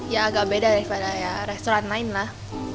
ya agak beda daripada ya restoran lain lah